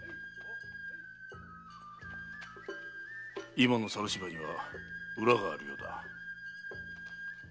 今の猿芝居には裏があるようだ。